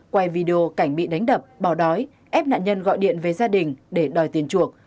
quay video cảnh bị đánh đập bỏ đói ép nạn nhân gọi điện về gia đình để đòi tiền chuộc